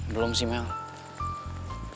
belum sih mel